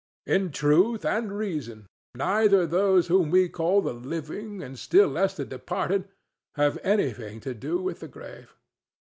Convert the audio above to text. In truth and reason, neither those whom we call the living, and still less the departed, have anything to do with the grave."